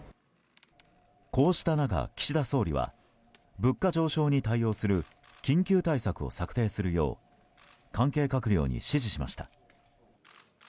こうした中、岸田総理は物価上昇に対応する緊急対策を策定するよう関係閣僚に指示しました。